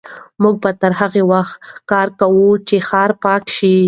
موږ به تر هغه وخته کار کوو چې ښار پاک شي.